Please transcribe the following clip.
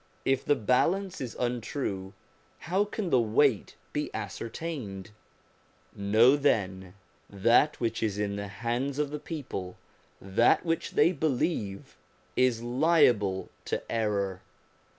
If the balance is untrue, how can the weight be ascertained ? Know then : that which is in the hands of people, that which they believe, is liable to error.